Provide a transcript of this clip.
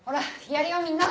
やるよみんな！